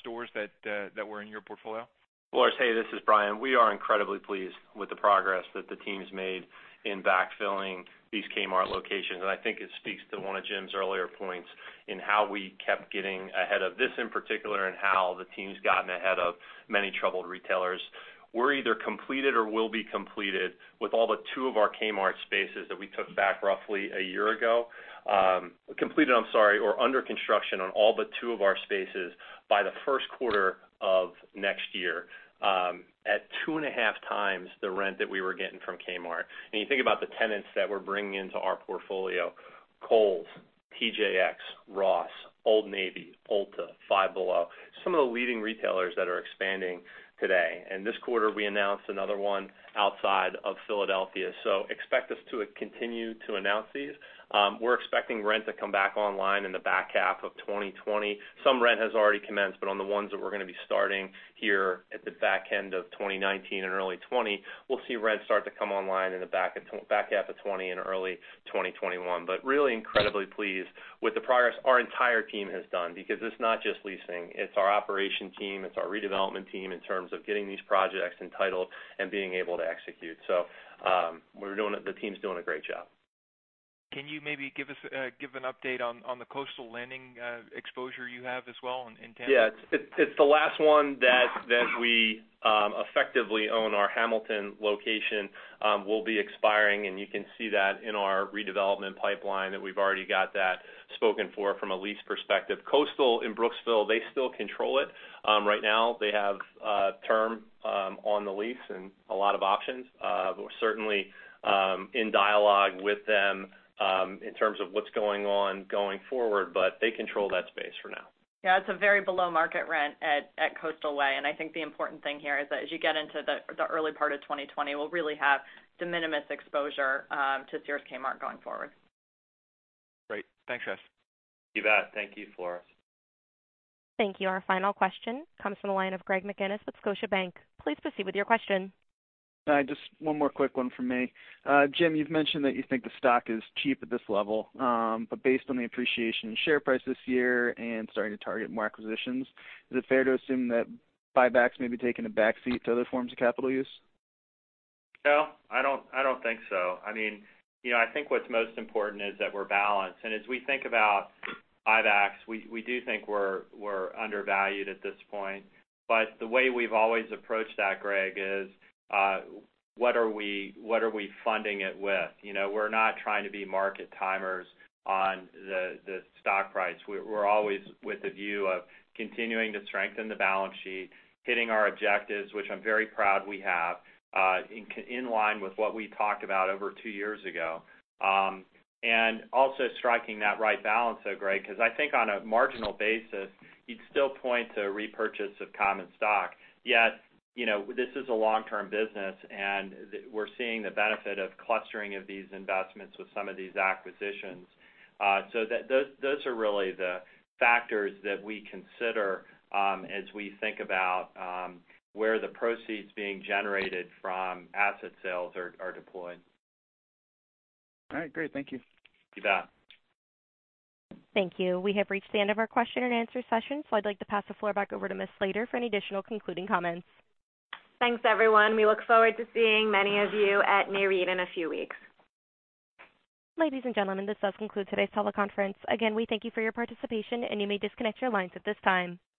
stores that were in your portfolio. Floris, hey, this is Brian. We are incredibly pleased with the progress that the team's made in backfilling these Kmart locations. I think it speaks to one of Jim's earlier points in how we kept getting ahead of this in particular, and how the team's gotten ahead of many troubled retailers. We're either completed or will be completed with all but two of our Kmart spaces that we took back roughly a year ago. Completed, I'm sorry, or under construction on all but two of our spaces by the first quarter of next year, at two and a half times the rent that we were getting from Kmart. You think about the tenants that we're bringing into our portfolio, Kohl's, TJX, Ross, Old Navy, Ulta, Five Below, some of the leading retailers that are expanding today. This quarter, we announced another one outside of Philadelphia. Expect us to continue to announce these. We're expecting rent to come back online in the back half of 2020. Some rent has already commenced, on the ones that we're going to be starting here at the back end of 2019 and early 2020, we'll see rent start to come online in the back half of 2020 and early 2021. Really incredibly pleased with the progress our entire team has done because it's not just leasing, it's our operation team, it's our redevelopment team in terms of getting these projects entitled and being able to execute. The team's doing a great job. Can you maybe give an update on the Coastal Landing exposure you have as well in Tampa? Yeah. It's the last one that we effectively own. Our Hamilton location will be expiring, and you can see that in our redevelopment pipeline that we've already got that spoken for from a lease perspective. Coastal in Brooksville, they still control it. Right now, they have term on the lease and a lot of options. We're certainly in dialogue with them in terms of what's going on going forward, but they control that space for now. Yeah, it's a very below-market rent at Coastal Way, and I think the important thing here is that as you get into the early part of 2020, we'll really have de minimis exposure to Sears Kmart going forward. Great. Thanks, guys. You bet. Thank you, Floris. Thank you. Our final question comes from the line of Greg McGinniss with Scotiabank. Please proceed with your question. Hi, just one more quick one from me. Jim, you've mentioned that you think the stock is cheap at this level. Based on the appreciation in share price this year and starting to target more acquisitions, is it fair to assume that buybacks may be taking a back seat to other forms of capital use? No, I don't think so. I think what's most important is that we're balanced. As we think about buybacks, we do think we're undervalued at this point. The way we've always approached that, Greg, is what are we funding it with? We're not trying to be market timers on the stock price. We're always with the view of continuing to strengthen the balance sheet, hitting our objectives, which I'm very proud we have, in line with what we talked about over two years ago. Also striking that right balance, though, Greg, because I think on a marginal basis, you'd still point to repurchase of common stock. Yet, this is a long-term business, and we're seeing the benefit of clustering of these investments with some of these acquisitions. Those are really the factors that we consider as we think about where the proceeds being generated from asset sales are deployed. All right. Great. Thank you. You bet. Thank you. We have reached the end of our question and answer session, so I'd like to pass the floor back over to Ms. Slater for any additional concluding comments. Thanks, everyone. We look forward to seeing many of you at Nareit in a few weeks. Ladies and gentlemen, this does conclude today's teleconference. We thank you for your participation, and you may disconnect your lines at this time.